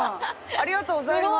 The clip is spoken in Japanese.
ありがとうございます！